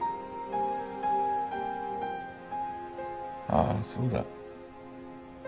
ああそうだ。